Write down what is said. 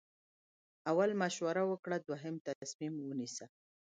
اول مشوره وکړه دوهم تصمیم ونیسه.